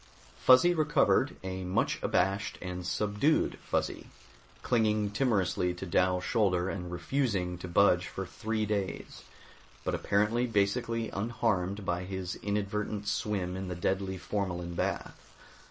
Fuzzy recovered, a much abashed and subdued Fuzzy, clinging timorously to Dal's shoulder and refusing to budge for three days, but apparently basically unharmed by his inadvertent swim in the deadly formalin bath.